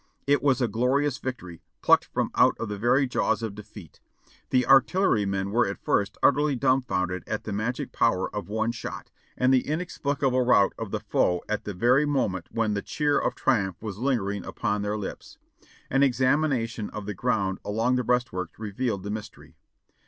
"It was a glorious victory, plucked from out the very jaws of defeat. The artillerymen were at first utterly dumfounded at the magic power of one shot, and the inexplicable rout of the foe at the very moment when the cheer of triumph was lingering upon their lips. An examination of the ground along the breast works revealed the mystery.